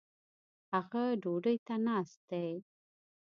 هغه ډوډي ته ناست دي